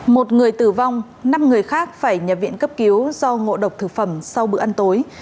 một người tử vong năm người khác phải nhập viện cấp cứu do ngộ độc thực phẩm sau bữa ăn tối